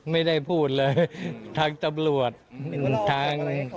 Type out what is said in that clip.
ไม่ได้พูดเลยทางตำรวจทาง